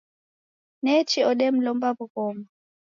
Nechi odemlomba w'ughoma.